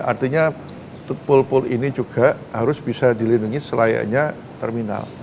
artinya pool pool ini juga harus bisa dilindungi selayaknya terminal